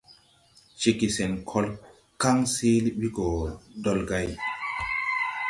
Ceege sen kol kan seele bi go dolgãy.